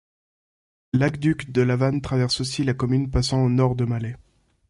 L'aqueduc de la Vanne traverse aussi la commune, passant au nord de Malay.